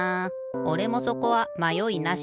おれもそこはまよいなし。